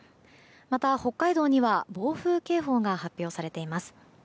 また北海道には暴風警報が発表されています。